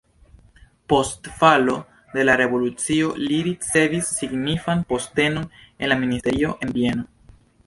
Post falo de la revolucio li ricevis signifan postenon en la ministerio en Vieno.